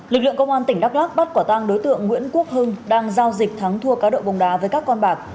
lực lượng công an tỉnh đắk lắc bắt quả tang đối tượng nguyễn quốc hưng đang giao dịch thắng thua cá độ bóng đá với các con bạc